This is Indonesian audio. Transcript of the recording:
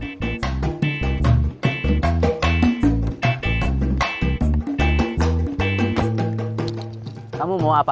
dik dik belum ada kabar